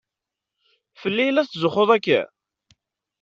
Fell-i i la tetzuxxuḍ akka?